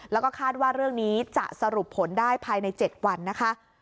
แล้วก็คาดว่าเรื่องนี้จะสรุปผลได้ภายใน๗วันนะคะ